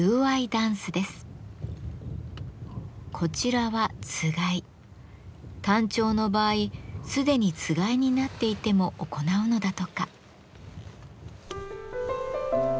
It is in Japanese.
タンチョウの場合すでにつがいになっていても行うのだとか。